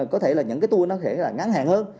có thể là những cái tour nó sẽ là ngắn hàng hơn